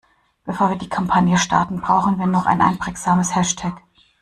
Bevor wir die Kampagne starten, brauchen wir noch ein einprägsames Hashtag.